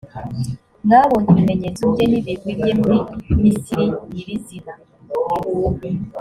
mwabonye ibimenyetso bye n’ibigwi bye muri misiri nyirizina,